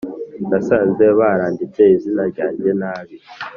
nasanze baranditse izina ryanjye nabi